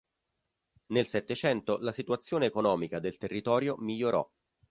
Nel Settecento la situazione economica del territorio migliorò.